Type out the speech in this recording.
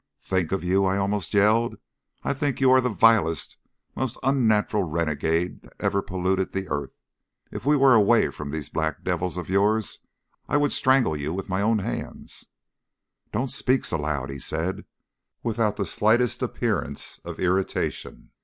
"Think of you!" I almost yelled. "I think you the vilest, most unnatural renegade that ever polluted the earth. If we were away from these black devils of yours I would strangle you with my hands!" "Don't speak so loud," he said, without the slightest appearance of irritation.